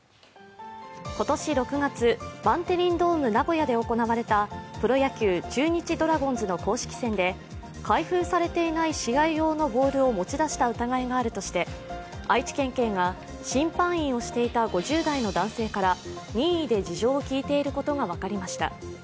今年６月、バンテリンドームナゴヤで行われたプロ野球中日ドラゴンズの公式戦で開封されていない試合用のボールを持ち出した疑いがあるとして、愛知県警が審判員をしていた５０代の男性から任意で事情を聴いていることが分かりました。